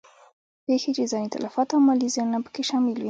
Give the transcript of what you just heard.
پېښې چې ځاني تلفات او مالي زیانونه په کې شامل وي.